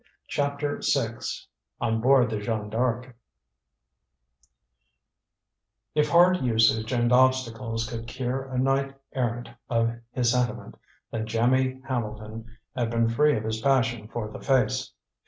CHAPTER VI ON BOARD THE JEANNE D'ARC If hard usage and obstacles could cure a knight errant of his sentiment, then Jimmy Hambleton had been free of his passion for the Face.